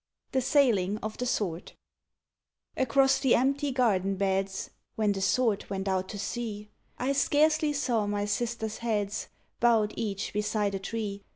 THE SAILING OF THE SWORD Across the empty garden beds, When the Sword went out to sea, I scarcely saw my sisters' heads Bowed each beside a tree.